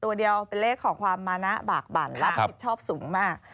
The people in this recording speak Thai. ตัวเดียวเป็นเลขของความมานะบากบั่นรับผิดชอบสูงมาก